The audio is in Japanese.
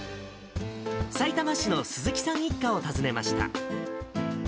さいたま市の鈴木さん一家を訪ねました。